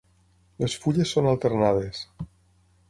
Les fulles són alternades.